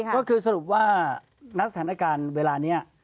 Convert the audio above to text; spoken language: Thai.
ก็คือสรุปว่าณสถานการณ์เวลานี้